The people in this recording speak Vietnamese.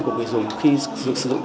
của người dùng khi sử dụng